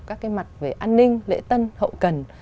các cái mặt về an ninh lễ tân hậu cần